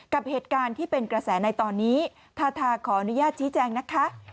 กับเหตุการณ์ที่เป็นกระแสในตอนนี้ทาทาขออนุญาตชี้แจงนะคะ